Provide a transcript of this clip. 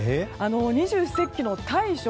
二十四節気の大暑。